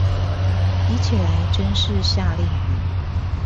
比起來真是夏令營